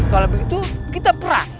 kalau begitu kita perah